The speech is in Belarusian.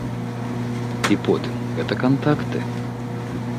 І потым, гэта кантакты.